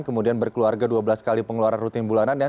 kemudian berkeluarga dua belas kali pengeluaran rutin bulanan ya